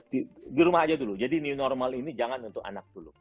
di rumah aja dulu jadi new normal ini jangan untuk anak dulu